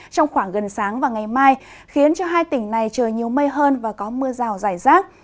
trong khoảng gần sáng và ngày mai khiến cho hai tỉnh này trời nhiều mây hơn và có mưa rào rải rác